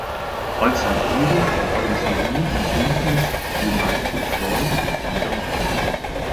Als Regierung waren sie nur im Bündnis „United Front“ an der Macht.